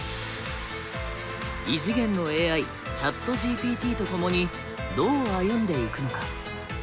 異次元のＡＩＣｈａｔＧＰＴと共にどう歩んでいくのか？